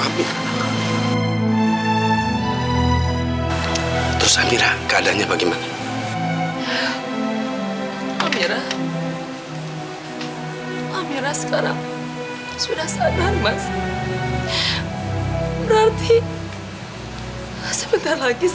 amir terus amira keadaannya bagaimana amira amira sekarang sudah sadar masih berarti sebentar lagi